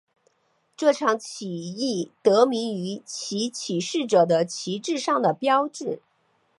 这场起义得名于其起事者的旗帜上的标志。